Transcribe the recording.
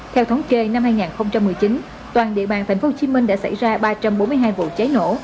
theo thống kê năm hai nghìn một mươi chín toàn địa bàn thành phố hồ chí minh đã xảy ra ba trăm bốn mươi hai vụ cháy nổ